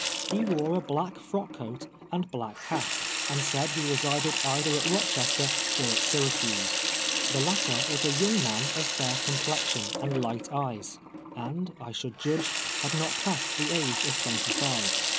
He wore a black frock coat and black hat, and said he resided either at Rochester or at Syracuse. The latter was a young man of fair complexion and light eyes, and, I should judge, had not passed the age of twenty five.